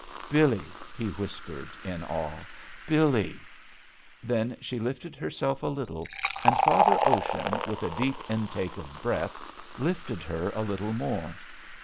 "Billee," he whispered, in awe, "Billeel" Then she lifted herself a little and Father Ocean, with a deep intake of breath, lifted her a little more.